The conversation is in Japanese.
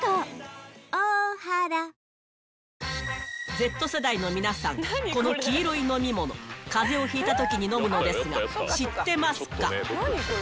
Ｚ世代の皆さん、この黄色い飲み物、かぜをひいたときに飲むのですが、知ってますか？